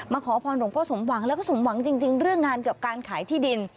ขอพรหลวงพ่อสมหวังแล้วก็สมหวังจริงเรื่องงานกับการขายที่ดิน